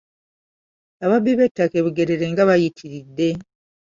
Ababbi b'ettaka e Bugerere nga bayitiridde.